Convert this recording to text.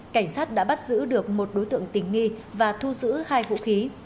cảnh sát đã bắt giữ được một đối tượng tình nghi và thu giữ hai vũ khí